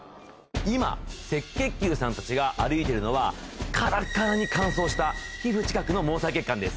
今赤血球さんたちが歩いてるのはカラッカラに乾燥した皮膚近くの毛細血管です。